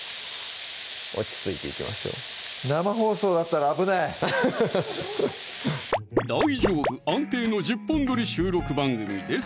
落ち着いていきましょう生放送だったら危ないアハハハ大丈夫安定の１０本撮り収録番組です